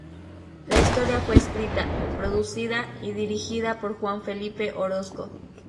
La historia fue escrita, producida y dirigida por Juan Felipe Orozco.